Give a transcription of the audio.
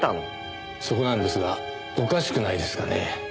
そこなんですがおかしくないですかね？